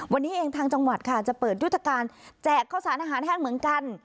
วันนี้เองทางจังหวัดค่ะจะเปิดยุทธการแจกข้าวสารอาหารแห้งเหมือนกัน